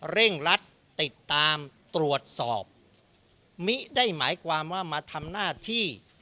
เร่งรัดติดตามตรวจสอบมิได้หมายความว่ามาทำหน้าที่